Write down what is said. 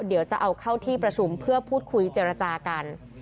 เดี๋ยวจะเอาเข้าที่ประชุมเพื่อพูดคุยเจรจากัน